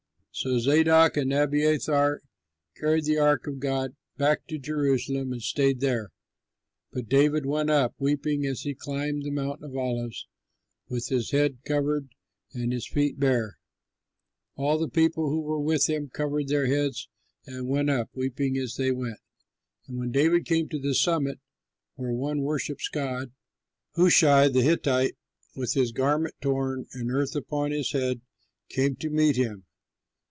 '" So Zadok and Abiathar carried the ark of God back to Jerusalem and stayed there. But David went up, weeping as he climbed the Mount of Olives with his head covered and his feet bare. All the people who were with him covered their heads and went up, weeping as they went. And when David came to the summit, where one worships God, Hushai the Archite with his garment torn and earth upon his head, came to meet him.